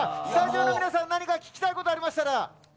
スタジオの皆さん何か聞きたいことありましたら。